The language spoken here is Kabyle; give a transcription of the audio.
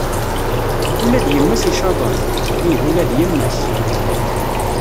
Ula d yemma-s icaḍen? Ih ula d yemma-s.